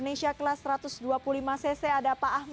terima kasih tuan pr terima kasih pak